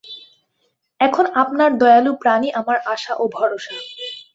এখন আপনার দয়ালু প্রাণই আমার আশা ও ভরসা।